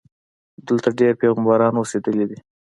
دلته ډېر پیغمبران اوسېدلي دي.